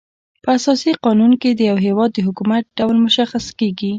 په اساسي قانون کي د یو هيواد د حکومت ډول مشخص کيږي.